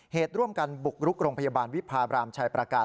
เหตุร่วมกันบุกรุกโรงพยาบาลวิพาบรามชายประการ